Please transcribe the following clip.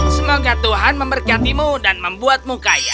semoga tuhan memberkatimu dan membuatmu kaya